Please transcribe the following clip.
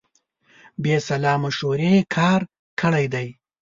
بې سلا مشورې کار کړی دی.